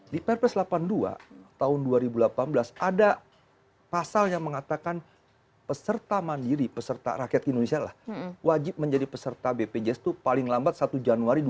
di perpres delapan puluh dua tahun dua ribu delapan belas ada pasal yang mengatakan peserta mandiri peserta rakyat indonesia lah wajib menjadi peserta bpjs itu paling lambat satu januari dua ribu dua